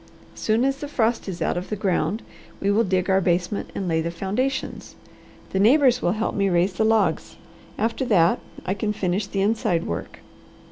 Soon as the frost is out of the ground we will dig our basement and lay the foundations. The neighbours will help me raise the logs; after that I can finish the inside work.